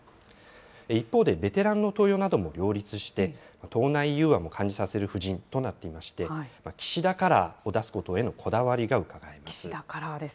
一方で、ベテランなどの登用も両立して、党内融和も感じさせる布陣となっていまして、岸田カラーを出すことへのこだわりがうかがえます。